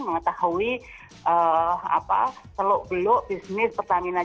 mengetahui teluk beluk bisnis pertamina